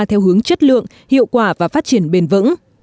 theo hướng chất lượng hiệu quả và phát triển bền vững